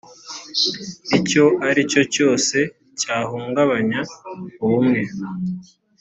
icyo aricyo cyose cyahungabanya ubumwe